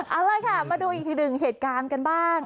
เอาล่ะค่ะมาดูอีกหนึ่งเหตุการณ์กันบ้าง